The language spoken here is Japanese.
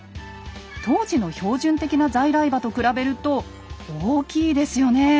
当時の標準的な在来馬と比べると大きいですよねえ。